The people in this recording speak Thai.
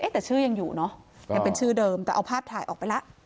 แต่ชื่อยังอยู่เนอะยังเป็นชื่อเดิมแต่เอาภาพถ่ายออกไปแล้ว